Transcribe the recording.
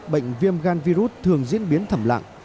bệnh viêm gan virus thường diễn biến thầm lặng